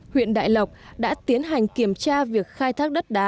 huyện đại lộc đã tiến hành kiểm tra và phát triển đất đá